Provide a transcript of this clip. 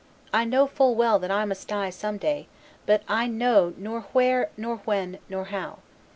I know full well that I must die some day; but I know nor where nor when nor how.